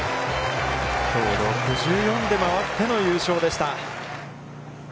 きょう、６４で回っての優勝でした。